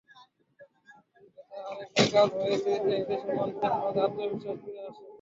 এতে আরেকটি কাজ হয়েছে যে, দেশের মানুষের মাঝে আত্মবিশ্বাস ফিরে এসেছে।